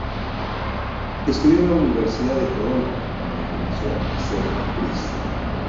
Estudió en la universidad de Toronto, donde comenzó a ser actriz.